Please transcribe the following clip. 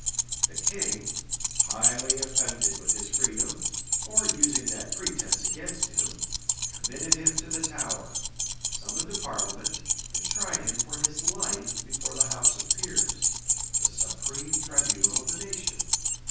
{1478.} The king, highly offended with his freedom, or using that pretence against him, committed him to the Tower,[] summoned a parliament, and tried him for his life before the house of peers, the supreme tribunal of the nation.